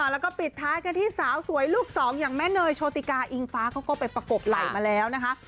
แล้วก็ปิดท้ายกันที่สาวสวยลูกสองอย่างแม่เนยโชติกาอิงฟ้าเขาก็ไปประกบไหล่มาแล้วนะคะ